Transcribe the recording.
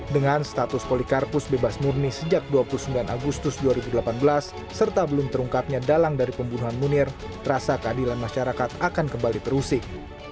dengan status polikarpus bebas murni sejak dua puluh sembilan agustus dua ribu delapan belas serta belum terungkapnya dalang dari pembunuhan munir rasa keadilan masyarakat akan kembali terusik